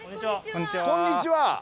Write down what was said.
こんにちは。